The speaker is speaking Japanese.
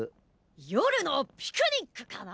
よるのピクニックかな？